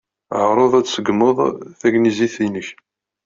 Ɛṛeḍ ad tseggmeḍ tagnizit-inek.